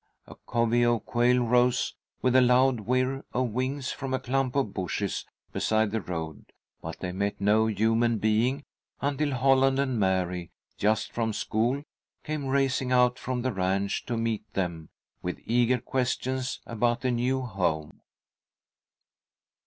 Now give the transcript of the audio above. A covey of quail rose with a loud whirr of wings from a clump of bushes beside the road, but they met no human being until Holland and Mary, just from school, came racing out from the ranch to meet them with eager questions about the new home.